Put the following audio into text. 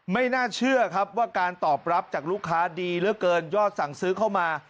ไม่น่าเชื่อครับว่าการตอบรับจากลูกค้าดีเหลือเกินยอดสั่งซื้อเข้ามา